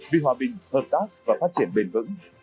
vì hòa bình hợp tác và phát triển bền vững